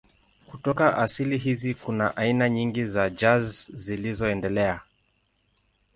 Kutoka asili hizi kuna aina nyingi za jazz zilizoendelea.